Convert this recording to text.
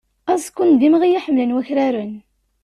Aẓekkun d imɣi i ḥemmlen wakraren.